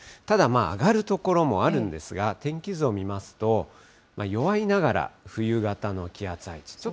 ただまあ、上がる所もあるんですが、天気図を見ますと、弱いながら、冬型の気圧配置。